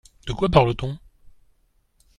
De quoi parle-t-on ?